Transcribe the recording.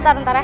ntar ntar ya